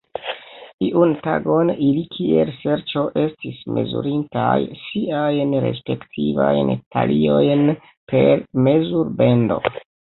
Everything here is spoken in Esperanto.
Iun tagon ili kiel ŝerco estis mezurintaj siajn respektivajn taliojn per mezurbendo.